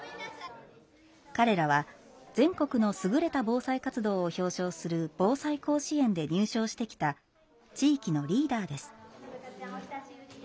彼らは全国のすぐれた防災活動を表彰する「ぼうさい甲子園」で入賞してきた地域のリーダーです。